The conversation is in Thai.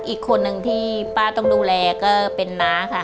อีกคนนึงที่ป้าต้องดูแลก็เป็นน้าค่ะ